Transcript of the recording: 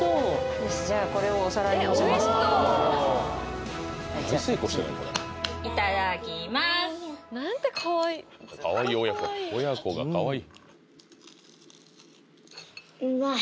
よしじゃあこれをお皿にのせますなんてかわいいかわいい親子親子がかわいい！